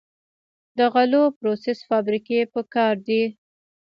د غلو پروسس فابریکې پکار دي.